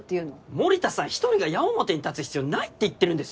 森田さん１人が矢面に立つ必要ないって言ってるんです。